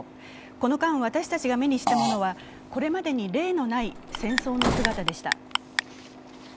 この間、私たちが目にしたものは、これまでに例のない戦争の姿でした。